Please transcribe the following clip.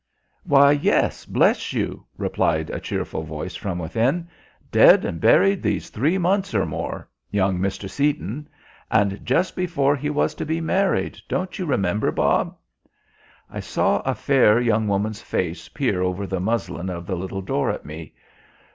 "Why, yes, bless you," replied a cheerful voice from within. "Dead and buried these three months or more young Mr. Seaton. And just before he was to be married, don't you remember, Bob?" I saw a fair young woman's face peer over the muslin of the little door at me.